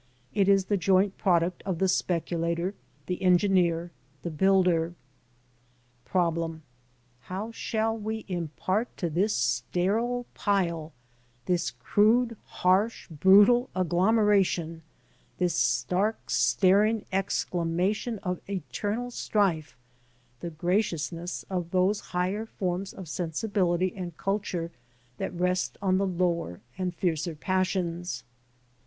It is the joint product of the speculator, the engineer, the builder. Problem : How shall we impart to this sterile pile, this crude, harsh, brutal agglomeration, this stark, staring exclamation of eternal strife, the graciousness of those higher forms of sensibility and culture that rest on the lower and fiercer passions